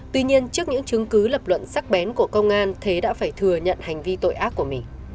tuy nhiên trước những chứng cứ lập luận sắc bén của công an thế đã phải thừa nhận hành vi tội ác của mình